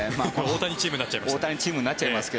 大谷チームになっちゃいました。